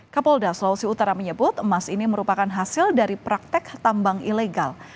kapolda sulawesi utara menyebut emas ini merupakan hasil dari praktek tambang ilegal